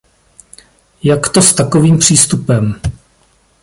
Jak to s takovým přístupem.